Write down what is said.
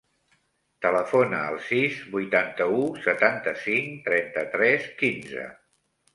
Telefona al sis, vuitanta-u, setanta-cinc, trenta-tres, quinze.